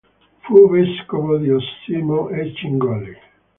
Fu vescovo di Osimo e Cingoli.